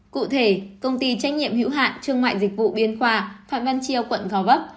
cụ thể công ty trách nhiệm hiếu hạn trương ngoại dịch vụ biên khoa phạm văn chiêu quận gò vấp